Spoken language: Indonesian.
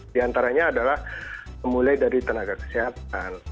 di antaranya adalah mulai dari tenaga kesehatan